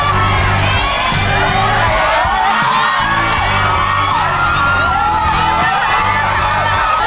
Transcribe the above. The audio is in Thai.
รับทราบ